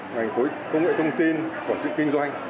ngành khối công nghệ thông tin quản trị kinh doanh